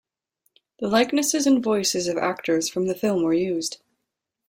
The likenesses and voices of actors from the film were used.